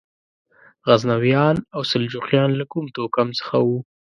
غزنویان او سلجوقیان له کوم توکم څخه وو؟